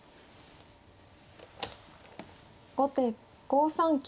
後手５三金。